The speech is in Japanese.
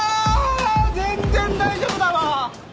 全然大丈夫だわ。